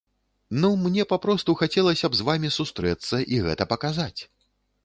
Ну, мне папросту хацелася б з вамі сустрэцца і гэта паказаць.